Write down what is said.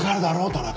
田中。